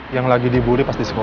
yang lagi diburi pas di sekolah